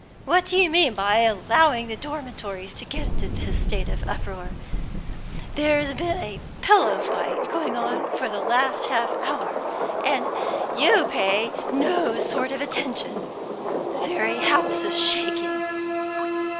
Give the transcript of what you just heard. What do you mean by allowing the dormitories to get into this state of uproar? There's been a pillow fight going on for the last half hour, and you pay no sort of attention; the very house is shaking?"